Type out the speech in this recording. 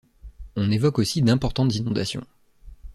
On évoque aussi d'importantes inondations.